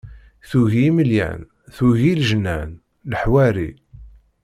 Tugi imelyan, tugi leǧnan, leḥwari...